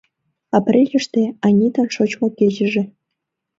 Апрельыште Анитан шочмо кечыже.